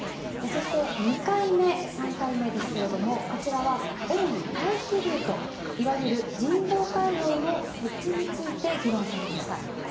そして２回目、３回目ですがこちらは主に退避ルートいわゆる人道回廊の設置について議論されました。